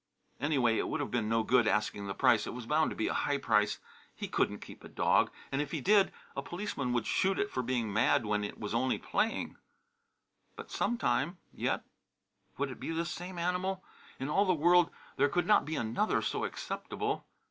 Anyway, it would have been no good, asking the price; it was bound to be a high price; and he couldn't keep a dog; and if he did, a policeman would shoot it for being mad when it was only playing. But some time yet, would it be this same animal? In all the world there could not be another so acceptable.